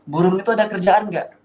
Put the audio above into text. burung itu ada kerjaan nggak